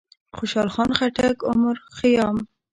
خوشحال خان خټک، عمر خيام،